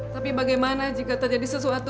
tapi bagaimana jika tak jadi sesuatu